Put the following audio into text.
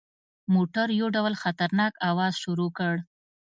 موټر یو ډول خطرناک اواز شروع کړ.